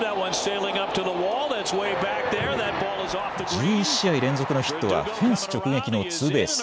１１試合連続のヒットはフェンス直撃のツーベース。